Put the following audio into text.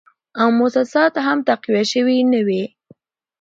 او موسسات هم تقویه شوي نه وې